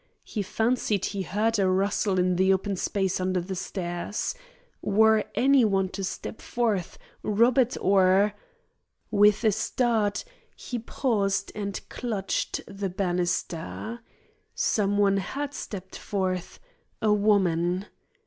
He fancied he heard a rustle in the open space under the stairs. Were any one to step forth, Robert or With a start, he paused and clutched the banister. Some one had stepped forth; a woman!